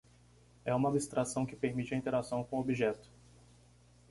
é uma abstração que permite a interação com o objeto